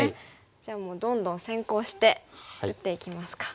じゃあもうどんどん先行して打っていきますか。